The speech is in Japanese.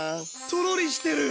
とろりしてる！